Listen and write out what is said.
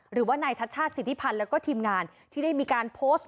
หรือว่านายชัชชาติสิทธิพันธ์แล้วก็ทีมงานที่ได้มีการโพสต์